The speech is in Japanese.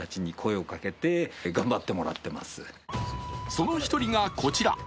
その１人が、こちら。